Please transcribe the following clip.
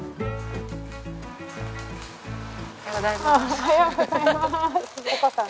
おはようございます。